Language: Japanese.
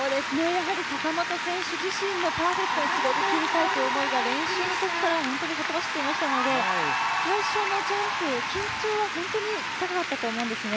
やはり坂本選手自身のパーフェクトに滑りきりたいという思いが練習の時から本当にほとばしっていましたので最初のジャンプ緊張は本当に高かったと思うんですね。